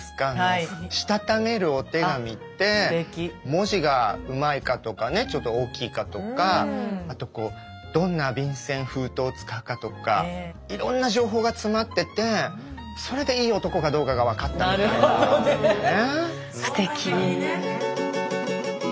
文字がうまいかとかねちょっと大きいかとかあとどんな便箋封筒を使うかとかいろんな情報が詰まっててそれでいい男かどうかが分かったみたいなのがあるのね。